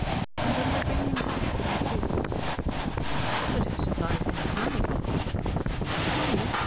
then, they bring him back ... like this." "But who supplies him with money?" "Money?